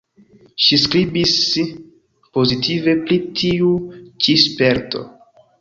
Ŝi skribis pozitive pri tiu ĉi sperto.